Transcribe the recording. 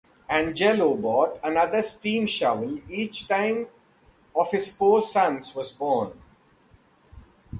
Angelo bought another steam shovel each time of his four sons was born.